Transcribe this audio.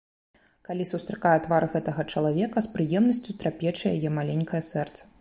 Калі сустракае твар гэтага чалавека, з прыемнасцю трапеча яе маленькае сэрца.